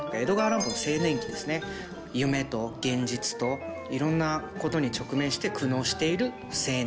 夢と現実といろんなことに直面して苦悩している青年。